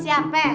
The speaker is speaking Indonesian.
siti siapa pe